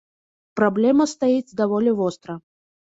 Праблема стаіць даволі востра.